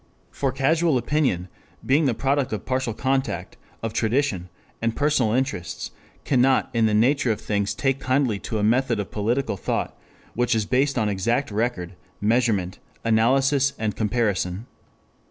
For casual opinion, being the product of partial contact, of tradition, and personal interests, cannot in the nature of things take kindly to a method of political thought which is based on exact record, measurement, analysis and comparison.